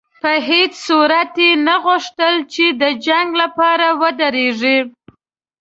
په هېڅ صورت یې نه غوښتل چې د جنګ لپاره ودرېږي.